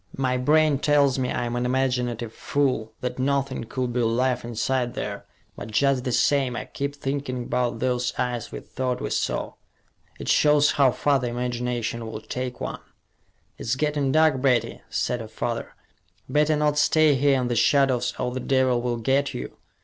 My brain tells me I'm an imaginative fool, that nothing could be alive inside there, but just the same, I keep thinking about those eyes we thought we saw. It shows how far the imagination will take one." "It's getting dark, Betty," said her father. "Better not stay here in the shadows or the devil will get you.